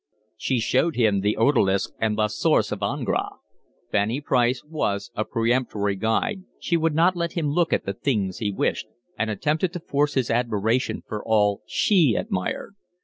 She showed him the Odalisque and La Source of Ingres. Fanny Price was a peremptory guide, she would not let him look at the things he wished, and attempted to force his admiration for all she admired.